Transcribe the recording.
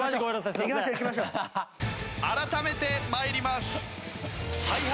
改めて参ります。